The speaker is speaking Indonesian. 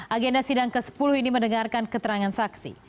agenda sidang ke sepuluh ini mendengarkan keterangan saksi